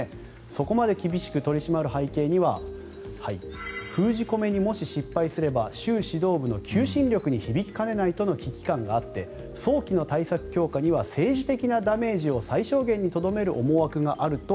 そこまで厳しく取り締まる背景には封じ込めに、もし失敗すれば習指導部の求心力に響きかねないとの危機感があって早期の対策強化には政治的なダメージを最小限にとどめる思惑があると